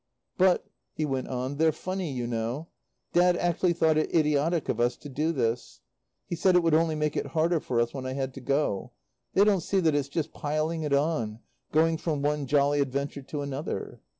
"But" he went on, "they're funny, you know. Dad actually thought it idiotic of us to do this. He said it would only make it harder for us when I had to go. They don't see that it's just piling it on going from one jolly adventure to another.